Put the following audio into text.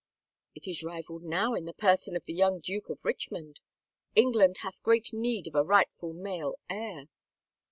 " It is rivaled now in the person of the young Duke of Richmond. England hath great need of a rightful male heir."